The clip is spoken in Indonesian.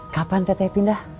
kapan teh teh pindah